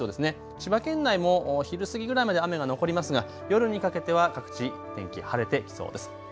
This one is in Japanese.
千葉県内も昼過ぎぐらいまで雨が残りますが夜にかけては各地、天気晴れてきそうです。